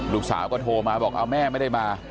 ลูกสาวก็โทรมาบอกเอาแม่ไม่ได้มา